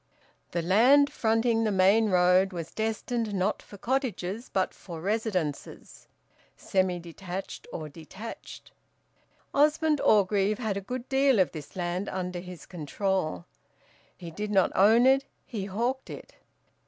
The land fronting the main road was destined not for cottages, but for residences, semi detached or detached. Osmond Orgreave had a good deal of this land under his control. He did not own it, he hawked it.